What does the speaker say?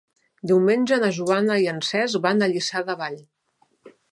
Diumenge na Joana i en Cesc van a Lliçà de Vall.